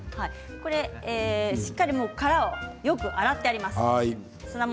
しっかりと殻をよく洗ってあります。